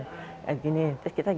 terus kita giniin paradigma dong